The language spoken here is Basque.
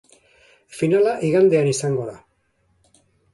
Finala igandean izango da.